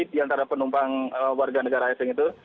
di antara penumpang warga negara asing itu